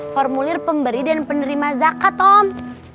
formulir pemberi dan penerima zakat om